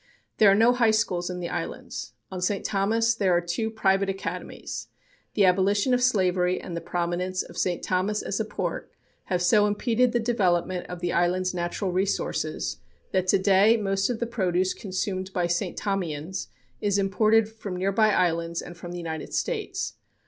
There are no high schools in the islands. On St. Thomas there are two private academies. The abolition of slavery and the prominence of St. Thomas as a port have so impeded the development of the island's natural resources that today most of the produce consumed by St. Thomians is imported from nearby islands and from the United States.